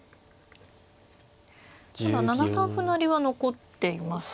今７三歩成は残っていますよね。